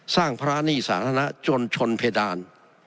สร้างพระนี่สาธารณะจนชนเพดาน